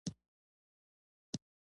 ځینو کارګرانو عسکر په غېږ کې ونیول